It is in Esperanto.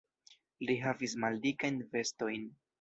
Li havis maldikajn vestojn.